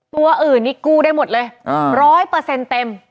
ตัวอื่นนี่กู้ได้หมดเลย๑๐๐เต็ม